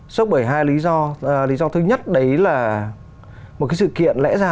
sốc bởi hai lý do lý do thứ nhất đấy là một cái sự kiện lẽ ra nó phải vụn